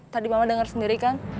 tadi mama dengar sendiri kan